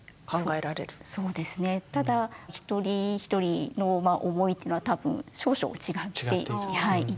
ただ一人一人の思いっていうのは多分少々違っていて。